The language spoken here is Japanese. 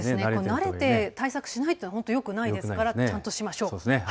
慣れて対策しないとよくないですからちゃんとしましょう。